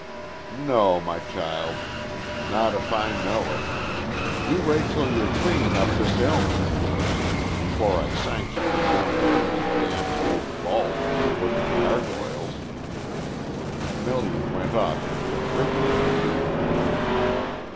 "No, my child. Not if I know it. You wait till you're clean through this ailment of yours before I sanction you going into any damp old vault to look at gargoyles." Melian went off into a rippling peal.